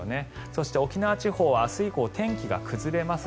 そして、沖縄地方は明日以降、天気が崩れます。